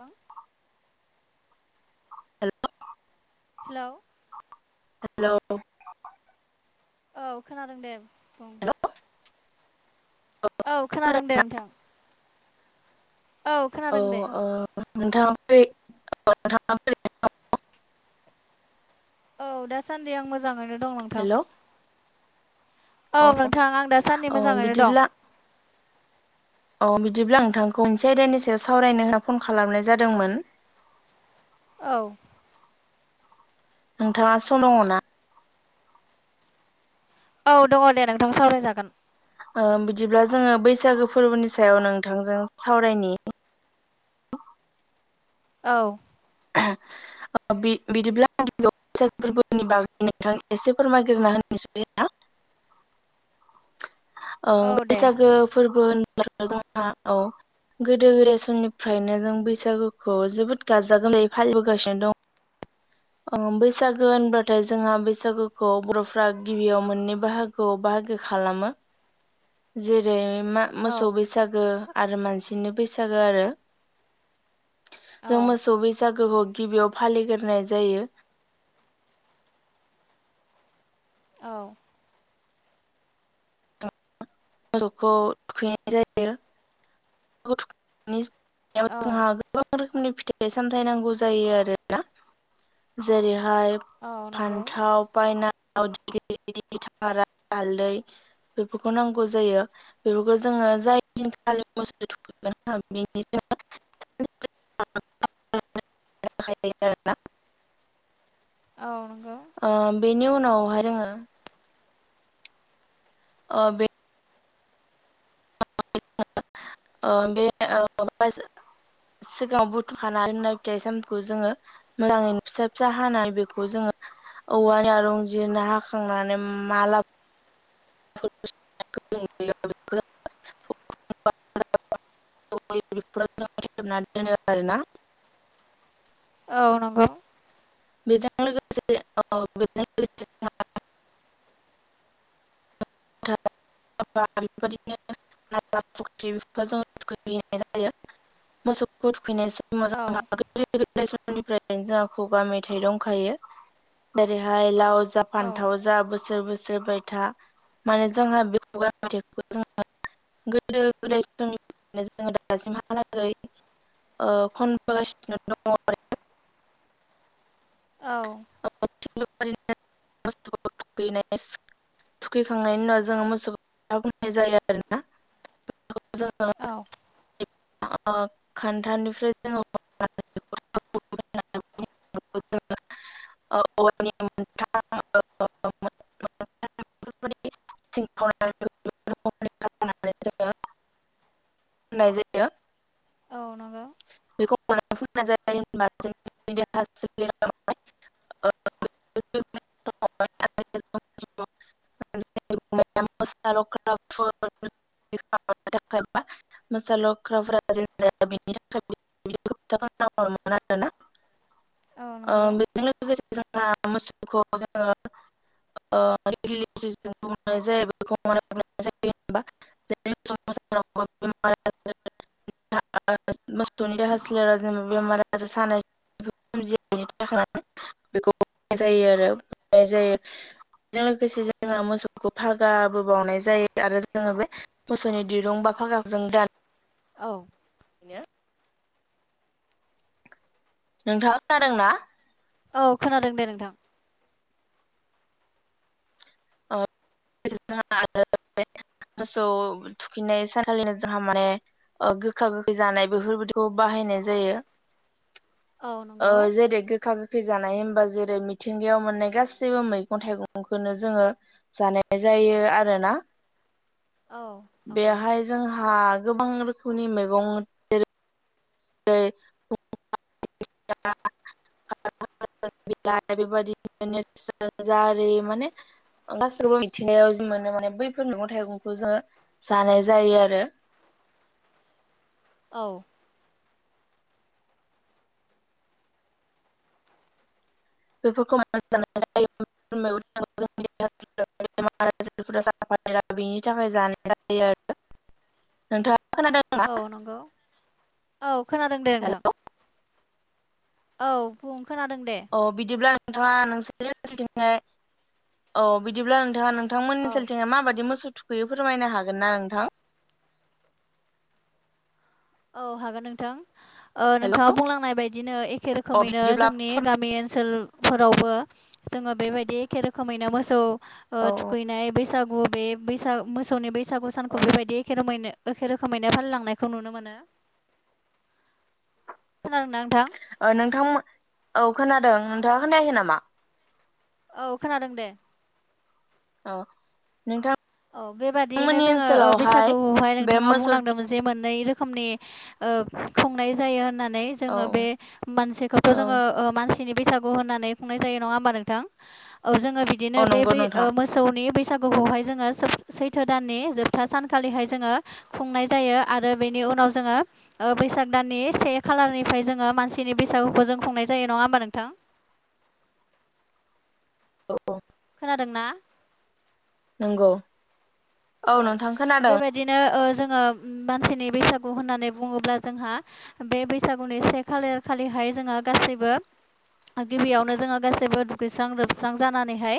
Hello hello hello hello औ खोनादों दे बुं औ खोनादों दे खोनादोंना नोंथां औ खोनादों दे ओ नोंथाङा बै [unintelligible] औ दासान्दि आं मोजाङैनो दं नोंथां औ अ नोंथां आं दासान्दि अ मोजाङैनो दं बिदिब्ला औ बिदिब्ला नोंथांखौ मोनसे आयदानि सायाव सावरायनो होनना फन खालामनाय जादोंमोन औ नोंथाङा सम दङ ना औ दङ दे नोंथां सावराय जागोन ओ बिदिब्ला जोङो बैसागो फोरबोनि सायाव नोंथांजों सावरायनि [inaudible] औ ओ बि बिदिब्ला बैसागु फोरबोनि बागै नोंथां एसे फोरमायग्रोना होनोसै [unintelligible] ओं औ दे बैसागो फोरबोनि जोंहा औ गोदो गोदाय समनिफ्रायनो जों बैसागुखौ जोबोद गाजा गाजा गोलै फालिबोगासिनो दं बैसागो होनबाथाय जोंहा बैसागोखौ बर'फ्रा गिबियाव मोननै बाहागोआव बा खालामो जेरै मा औ मोसौ बैसागो आरो मानसिनो बैसागो आरो औ जों मोसौ बैसागोखौ गिबियाव फालिगोरनाय जायो औ मोसौखौ थुखैनाय जायो [unintelligible] औ जोंहा गोबां रोखोमनि फिथाइ सामथाय नांगौ जायो आरोना जेरै फाय औ नंगौ फान्थाव बायना आव [unintelligible] थारा हालदै बेफोरखौनो नां गौ जायो बेफोरखौ जोङो जाय दिनखालि मोसौ थुखैगोन ना बेनि [unintelligible] औ नंगौ बेनि उनावहाय जोङो ओ बे [unintelligible] सिगाङाव बुथुखानाय लानाय फिथाइ सामखौ जोङो मोजाङैनो फिसा फिसा हानाय बेखौ जोङो औवानिया रंजिनो हाखांनानै माला [unintelligible] [unintelligible] आरोना औ नंगौ बेजों लोगोसे औ बे [unintelligible] बेफोरबायदिनो ना फुख्रिफोर [unintelligible] जायो मोसौखौ थुखैनाय [unintelligible] औ गोदो गोदाय समनिफ्रायनो जोंहा खुगा मेथाइ दंखायो जेरैहाय लाव जा औ फानथाव जा बोसोर बोसोर बायथा माने जोंहा बे जुगा मेथाइखौ [unintelligible] गोदो गोदाय समनि जोङो दासिमहालागै ओ खनबोगासिनो दङ आरो औ [unintelligible] थुखैखांनायनि उनाव जोङो मोसौखौ मा बुंनाय जायो आरोना [unintelligible] जोङो औ [unintelligible] जोङो [unintelligible] [unintelligible] [unintelligible] [unintelligible] होननाय जायो औ नंगौ बेखौ मोनो फोननाय जायो होनबा जों देहा सोलेराव [unintelligible] [unintelligible] [unintelligible] [unintelligible] मोसा लख्रा [unintelligible] [unintelligible] बेजों औ नंगौ लोगोसे जोंहा मोसौखौ जोङो [unintelligible] सम [unintelligible] [unintelligible] मोसौनि देहा सोलेरा जेनबा बेमार आजार सानाय सोमया बेनि थाखाय बेखौ होनाय जायो आरो [unintelligible] जायो बेजों लोगोसे जोङो मोसौखौ फागाबो बावनाय जायो आरो जोङो बे मोसौनि दिरुं बा फागा जों दान औ बिनो नोंथाङा खोनादोंना औ खोनादों दे नोंथां [unintelligible] मोसौ थुखैनाय सानखालिनो जोंहा माने ओ गोखा गोखै जानाय बेफोरबायदिखौ बाहायनाय जायो औ ओ नंगौ जेरै गोखा गोखै जानाय होमबा जेरै मिथिंगायाव मोननाय गासैबो मैगं थाइगंखौनो जोङो जानाय जायो आरोना औ नंगौ बेहाय जोंहा गोबां रोखोमनि मैगं [unintelligible] [unintelligible] बिलाइ बेबायदिनो जारि माने गासैबो मिथिंगायाव जि मोनो माने बैफोर मैगं थाइगंखौ जोङो जानाय जायो आरो [unintelligible] औ बेफोरखौ मानो जानाय जायो [unintelligible] [unintelligible] बेनि थाखाय जानाय जायो आरो नोंथां। औ नंगौ औ खोनादों दे हेल' नोंथां। औ बुं खोनादों दे औ बिदिब्ला नोंथाङा नोंसोरथिंहाय औ बिदिब्ला नोंथाङा नों। औ नोंथमोननि ओसोलथिं माबायदि मोसौ थुखैयो फोरमायनो हागोन ना नोंथां। औ हागोन नोंथां। ओ हेल' नोंथाङा बुंलांनाय बायदिनो एखे अ रोखोमैनो बिदिब्ला जोंनि औ गामि ओनसोलफोरावबो जोङो बेबायदि एखे रोखोमैनो मोसौ। औ थुखैनाय बैसागु बे बैसाग मोसौनि बैसागु सानखौ बेबायदि एखे रोमैनो। एखे रोखोमैनो फानलिलांनायखौ नुनो मोनो। खोनादोंना नोंथां नोंथां औ खोनादों नोंथाङा खोनायाखै नामा। औ खोनादों दे औ नोंथां। औ बेबादियैनो जोङो बैसागुआवहाय बे नोंथाङा मोसौ बुंलांदोंमोन जे मोननै रोखोम। रोखोमनि खुंनाय जायो होननानै। नै औ जोङो बे मोनसेखौथ' औ जोङो मानसिनि। बैसागु होननानै खुंनाय जायो नङा होनबा नोंथां औ जोङो बिदिनो औ बे नंगौ नोंथां मोसौनि बैसागु। हाय जों जोङो सैथो दाननि जोबथा सानखालिहाय जोङो खुंनाय जायो आरो बेनि उनाव जोङो। बैसाग दाननि से खालारनिफ्राय जोङो मानसिनि बैसागुखौ जों खुंनाय जायो नङा होमबा नोंथां [inaudible] औ। खोनादों ना नंगौ। औ नोंथां खोनादों बेबायदिनो जों। मानसिनि बैसागु होननानै बुङोब्ला जोंहा बे बैसागुनि से खालार खालिहाय। जोङो गासैबो। गिबियावनो जोङो गासैबो दुगैस्रां लोबस्रां जानानैहाय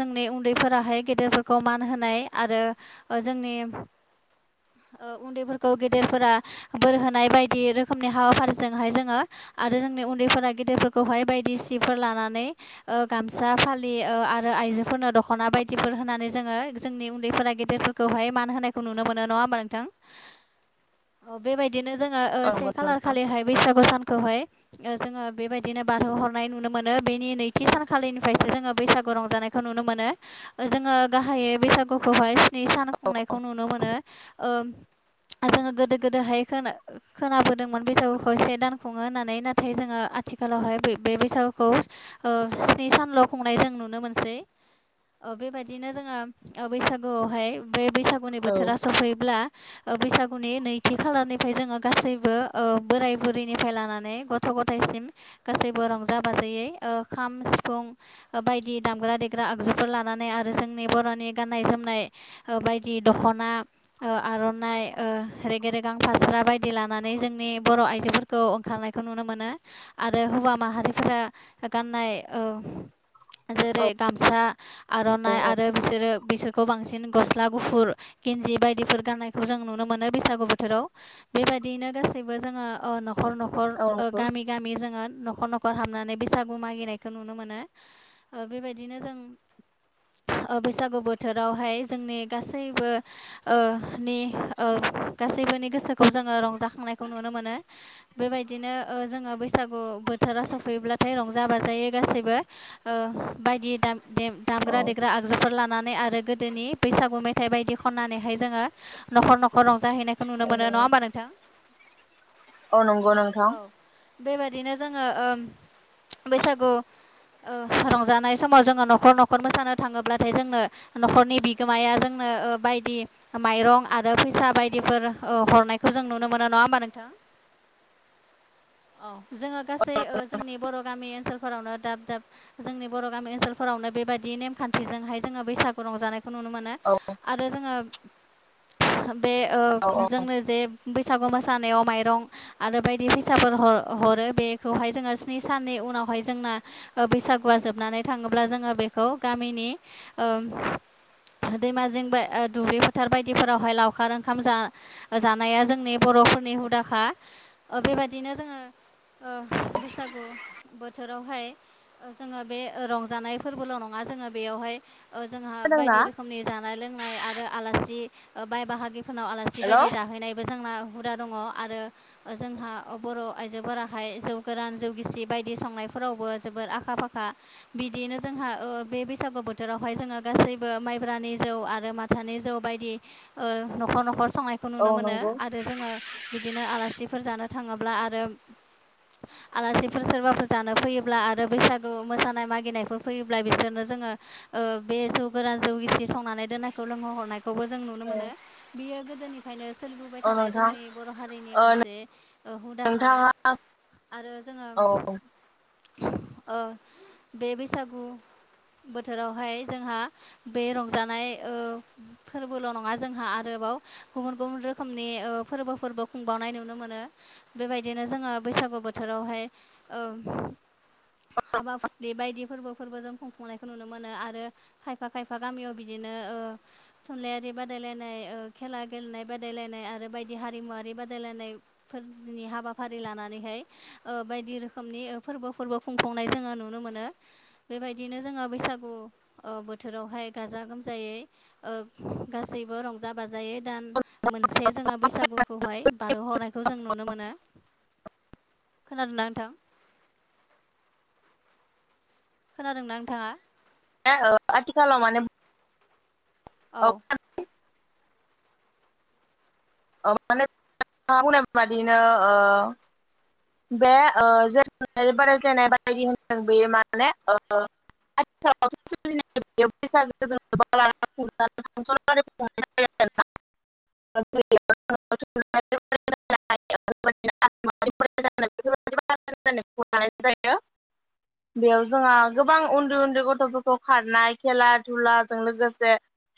जोंनि उन्दैफोराहाय गेद गिदेरफोरखौ मान होनाय आरो जोंनि उन्दैफोरखौ गेदेरफोरा बोर होनाय बायदि रोखोमनि हाबाफारिजोंहाय जोङो आरो जोंनि उन्दैफोरा गेदिरफोरखौहाय बायदि सिफोर लानानै। गामसा फालि आरो आइजोफोरनो दख'ना बायदिफोर होनानै जोङो जोंनि उनदैफोरा गेदिरफोरखौहाय मान होनायखौ नुनो मोनो नङा होनबा नोंथां बेबाय। दिनो जोङो औ से नंगौ खालार नोंथां खालिहाय बैसागु सानखौहाय जोङो बेबायदिनो बारहोहरनाय नुनो मोनो बेनि नैथि सानखालिनिफ्रायसो जोङो बैसागु रंजानायखौ नुनो मोनो। नुनो मोनो जोङो गाहायै बैसागुखौहाय। नै सान खुंनायखौ नुनो मोनो। [inaudible] जोङो गोदो गोदोहाय खोनादो खोनाबोदोंमोन बैसागुखौ से दान खुङो होननानै नाथाय जोङो आथिखाल। आथिखालावहाय बे बैसागुखौ स्नि सानल' खुंनाय जों नुनो मोनसै। बेबायदिनो जोङो बैसागुआवहाय बे बैसागुनि औ बोथोरा सफैब्ला बैसागुनि नैथि खालारनिफ्राय जोङो गासैबो बोराय बुरैनिफ्राय लानानै गथ' गथाय। गासैबो रंजा बाजायै खाम सिफुं बायदि दामग्रा देग्रा आगजुफोर फोर लानानै आरो जोंनि बर'नि गाननाय जोमनाय। बायदि दख'ना आर'नाइ रेगे रेगां फास्रा बायदि लानानै जोंनि बर' आइजोफोरखौ ओंखारनायखौ नुनो मोनो आरो हौवा माहारिफोरा गाननाय। औ जेरै गामसा औ आर'नाइ औ आरो बिसोरो बिसोरखौ बांसिन। गस्ला गुफुर गेनजि बायदिफोर गाननायखौ जों नुनो मोनो बैसागु बोथोराव बेबायदियैनो गासैबो जोङो न'खर न'खर औ नंगौ गामि गामि जोङो न'खर न'ख खर हाबनानै बैसागु मागिनायखौ नुनो मोनो बेबायदिनो जों ओ बैसागु बोथोरावहाय जों नि गासैबो नि ओ गासैबोनि गोसोखौ जोङो रंजाखांनायखौ नुनो मोनो बेबायदिनो ओ जोङो बैसागु बोथोरा सफैयोब्लाथाय रंजा बाजायै गासैबो ओ बायदि दाम देम औ दामग्रा देग्रा आगजुफोर लानानै आरो गोदोनि बैसागु मेथाइ बायदि खननानैहाय जोङो नखर नखर रंजाहैनायखौ नुनो मोनो नङा होमबा नोंथां औ नंगौ नोंथां बेबायदिनो जोङो ओ बैसागु ओ रंजानाय समाव जोंङो नखर नखर मोसानो थांङोब्लाथाय जोंनो नखरनि बि गोमाया जोंनो बायदि माइरं आरो फैसा बायदिफोर औ हरनायखौ जों नुनो मोनो ना नङा होनबा नोंथां [inaudible] औ जोङो गासै जोंनि बर' गामि ओनसोलफोरावनो दाब दाब जोंनि बर' गामि ओनसोलफोरावनो बेबायदि नेमखान्थिजोंहाय जोंङो बैसागु रंजानाय खौ नुनो मोनो औ आरो जोङो बे ओ औ औ जोंनो जे बैसागु मोसा मोसानाव माइरं आरो बायदि फैसाफोर हर-हरो बेखौहाय स्नि साननि उनावहाय जोंना बैसागुआ जोबनानै थांङोब्ला जोंङो बेखौ गामिनि ओ दैमा जिं बा ओ दुब्लि फोथार बायदिफोरावहाय लावखार ओंखाम जा-जानाया जोंनि बर' फोरनि हुदाखा ओ बेबायदिनो जोङो ओ बैसागु बोथोरावहाय जोङो बे ओ रंजानाय फोरबोल' नंङा जोंङो बेयावहाय जोंहा खोनादोंना बायदि रोखोमनि जानाय लोंनाय आरो आलासि बाय बाहागि फोरनाव आलासि हेल' बायदि जाहैनायबो जोंना हुदा दङ आरो जोंहा बर' आइजोफोराहाय जौ गोरान जौ गिसि बायदि संनाय फोरावबो जोबोर आखा फाखा बिदिनो जोंहा ओ बे बैसागु बोथोरावहाय जोंङो गासैबो माइ ब्रानि जौ आरो माथानि जौ बायदि नखर नखर नखर संनायखौ औ नुनो मोनो नंगौ आरो जोंङो बिदिनो आलासिफोर जानो थांङोब्ला आरो आलासिफोर सोरबाफोर जानो फैयोब्ला आरो बैसागु मोसानाय मागिनायफोर फैयोब्ला बिसोरनो जोङो बे जौ गोरान जौ गिसि सं नानै दोननायखौ लोंहोहरनायखौबो जों नुनो औ मोनो बियो गोदोनिफायनो सोलिबोबाय औ थानाय नोंथां जोंनि बर' हारि नि ओ मोनसे ओ हुदाखा नोंथाङा आरो जोङो औ ओ बे बैसागु बोथोरावहाय जोंहा बे रंजानाय ओ फोरबोल' नङा जोंहा आरोबाव गुबुन गुबुन रोखोमनि ओ फोरबोफोरबो खुंबावनाय नुनो मोनो बेबायदिनो जोङो बैसागु बोथोरावहाय ओ हाबा हुदि बायदि फोरबोफोरबो जों खुंफुंनायखौ नुनो मोनो आरो खायफा खायफा खायफा गामियाव बिदिनो थुनलाइयारि बादायलायनाय ओ खेला गेलेनाय बादायलायनाय आरो बायदि हारिमुवारि बादायलायनायफोरनि हाबाफारि लानानैहाय ओ बायदि रोखोमनि फोरबो फोरबो खुंफुंनाय जोङो नुनो मोनो बेबायदिनो जोङो बैसागु बोथोरावहाय गाजा गोमजायै ओ गासैबो रंजा बाजायै दान मोनसे जोङो बैसागु खौहाय बारहोहरनायखौ जों नुनो मोनो [inaudible] खोनादोंना नोंथां खोनादोंना नोंथाङा आथिखालाव माने औ माने माने [unintelligible] बादिनो ओ बे [unintelligible] बादायज्लायनाय बायदि होनदों बेयो माने ओ आथिखालाव [unintelligible] [unintelligible] [unintelligible] बेयाव जोंहा गोबां उन्दै उन्दै गथ'फोरखौ खारनाय खेला धुलाजों लोगोसे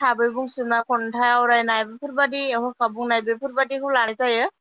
थाबै बुंसुमना खन्थाइ आवरायनाय बेफोरबायाददि हरखा बुंनाय बेफोरबाददिखौ लानाय जायो ।